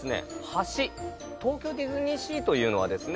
橋東京ディズニーシーというのはですね